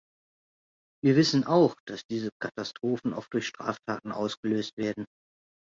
Wir wissen auch, dass diese Katastrophen oft durch Straftaten ausgelöst werden.